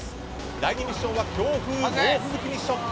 第２ミッションは強風猛吹雪ミッション。